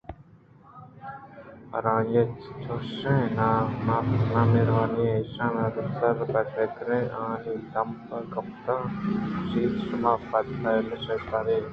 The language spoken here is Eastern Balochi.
ءُ پرآہانی چُشیں نامہروانی ءَ ایشاناں زاہ ءُ بد کنان ءَ آہانی دمب ءَکپان ءَ گوٛشت شُما بد فعلیں شیطانے